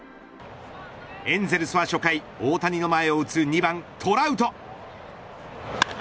エンゼルスは初回大谷の前を打つ２番、トラウト。